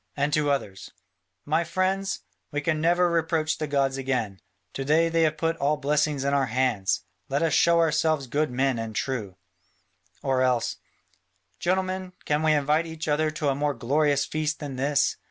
And to others, "My friends, we can never reproach the gods again: to day they have put all blessings in our hands. Let us show ourselves good men and true." Or else, "Gentlemen, can we invite each other to a more glorious feast than this?